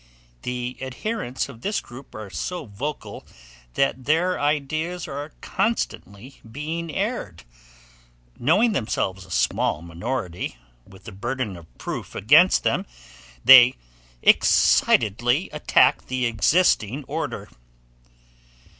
The adherents of this group are so vocal that their ideas are constantly being aired. Knowing themselves a small minority, with the burden of proof against them, they excitedly attack the existing order.